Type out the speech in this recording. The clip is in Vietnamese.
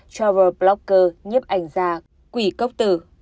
travel blogger nhếp ảnh gia quỷ cốc tử